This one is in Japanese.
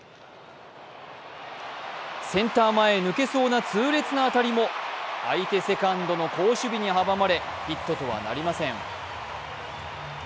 センター前へ抜けそうな痛烈な当たりも相手セカンドの好守備に阻まれヒットとはなりません。